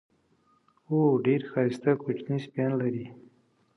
او ډېر ښایسته کوچني سپیان لري.